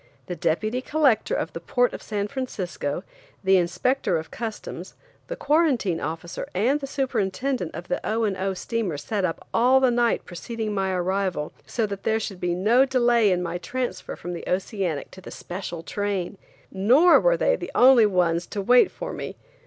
The Deputy Collector of the port of San Francisco, the Inspector of Customs, the Quarantine Officer and the Superintendent of the O. and O. steamers sat up all the night preceding my arrival, so there should be no delay in my transfer from the Oceanic to the special train. Nor were they the only ones to wait for me.